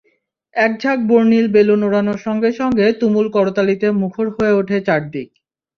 একঝাঁক বর্ণিল বেলুন ওড়ানোর সঙ্গে সঙ্গে তুমুল করতালিতে মুখর হয়ে ওঠে চারদিক।